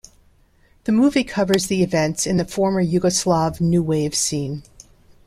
The movie covers the events in the former Yugoslav new wave scene.